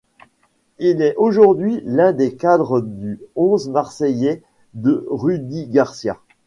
Il est aujourd'hui l'un des cadres du onze marseillais de Rudi Garcia.